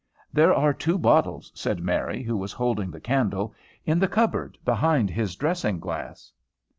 "There are two bottles," said Mary, who was holding the candle, "in the cupboard, behind his dressing glass."